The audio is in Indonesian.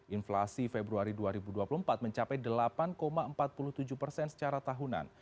inflasi februari dua ribu dua puluh empat mencapai delapan empat puluh tujuh persen secara tahunan